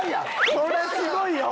これすごいよ！